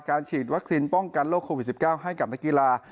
ฉีดวัคซีนป้องกันโควิด๑๙ให้กับนักกีฬา